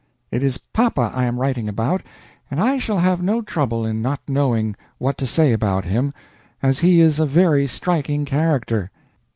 It is Papa I am writing about, and I shall have no trouble in not knowing what to say about him, as he is a very striking character.